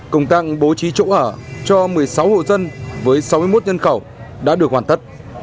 công tặng bố trí chỗ ở cho một mươi sáu hộ dân với sáu mươi một nhân khẩu đã được hoàn tất